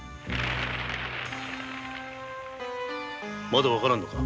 まだ分からぬのか？